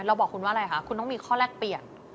บอกคุณว่าอะไรคะคุณต้องมีข้อแลกเปลี่ยน